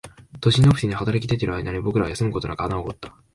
都心のオフィスに働き出ている間に、僕らは休むことなく穴を掘った